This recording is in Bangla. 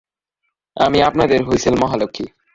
আমি আপনাদের হুইসেল মহালক্ষী!